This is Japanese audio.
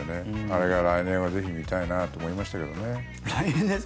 あれが来年はぜひ見たいなと思いましたけどね。